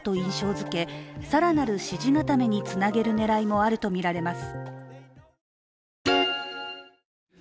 づけ更なる支持固めにつなげる狙いもあるとみられます。